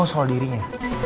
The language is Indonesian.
gua tau soal dirinya